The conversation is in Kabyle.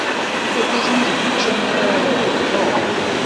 Argaz-nni bu ucamar d Tom.